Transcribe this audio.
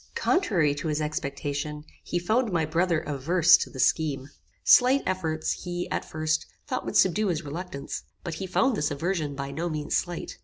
Contrary to his expectation he found my brother averse to the scheme. Slight efforts, he, at first, thought would subdue his reluctance; but he found this aversion by no means slight.